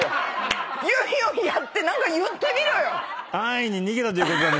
ユンユンやって何か言ってみろよ！